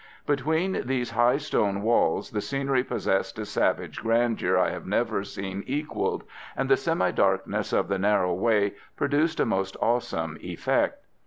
Between these high stone walls the scenery possessed a savage grandeur I have never seen equalled, and the semi darkness of the narrow way produced a most awesome effect.